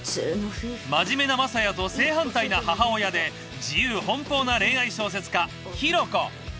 真面目な雅也と正反対な母親で自由奔放な恋愛小説家弘子。